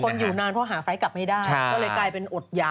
อยู่นานเพราะหาไฟล์กลับไม่ได้ก็เลยกลายเป็นอดหยา